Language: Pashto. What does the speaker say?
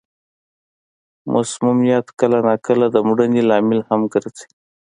مسمومیت کله نا کله د مړینې لامل هم ګرځي.